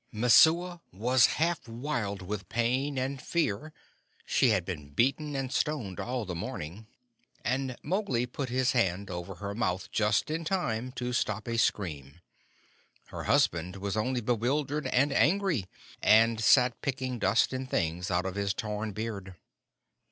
Messua was half wild with pain and fear (she had been beaten and stoned all the morning), and Mowgli put his hand over her mouth just in time to stop a scream. Her husband was only bewildered and angry, and sat picking dust and things out of his torn beard.